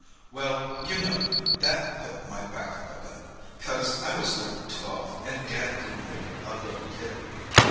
"Well, you know, that put my back up a bit—'cause I was nearly twelve, and Dad didn't make a little kid of me.